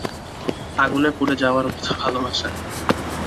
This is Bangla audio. আগুনে পুড়ে যাওয়ার মত ভালোবাসা।